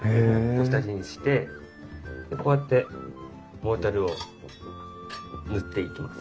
これ下地にしてこうやってモルタルを塗っていきます。